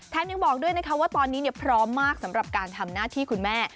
ยังบอกด้วยนะคะว่าตอนนี้พร้อมมากสำหรับการทำหน้าที่คุณแม่